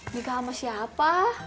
nikah sama siapa